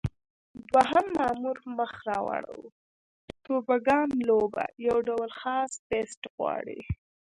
دوهم مامور مخ را واړاوه: توبوګان لوبه یو ډول خاص پېست غواړي.